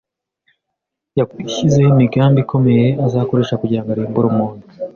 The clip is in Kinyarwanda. Yashyizeho imigambi ikomeye azakoresha kugira ngo arimbure umuntu.